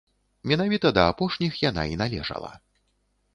Менавіта да апошніх яна і належала.